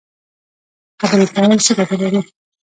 خبرې کول څه ګټه لري؟